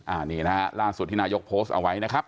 อันนี้นะฮะล่าสุดที่นายกโพสต์เอาไว้นะครับ